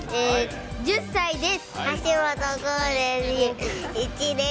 １０歳です。